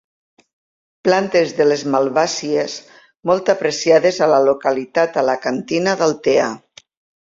Plantes de les malvàcies molt apreciades a la localitat alacantina d'Altea.